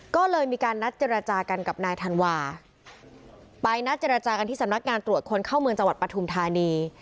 ก็เลยมีการนัดเจรจากันกับนายธันวาไปนัดเจรจากันที่สำนักงานตรวจคนเข้าเมืองจังหวัดปฐุมธานี